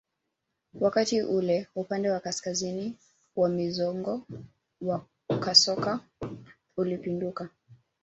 Wakati ule upande wa kaskazini wa mzingo wa kasoko ulipinduka